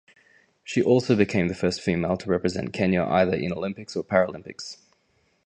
She also became the first female to represent Kenya either in Olympics or Paralympics.